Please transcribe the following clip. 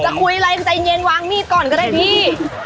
คุยอะไรใจเย็นวางมีดก่อนก็ได้พี่